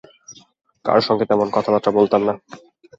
কারো সঙ্গে তেমন কথাবার্তা বলতাম না!